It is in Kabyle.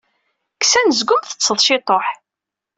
Kkes anezgum teṭṭseḍ ciṭuḥ!